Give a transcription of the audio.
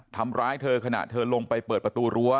ทำร้ายเธอขณะเธอลงไปเปิดประตูรั้ว